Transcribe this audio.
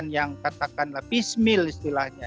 atau yang katakanlah piecemeal istilahnya